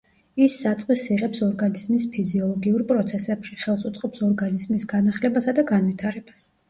ის საწყისს იღებს ორგანიზმის ფიზიოლოგიურ პროცესებში, ხელს უწყობს ორგანიზმის განახლებასა და განვითარებას.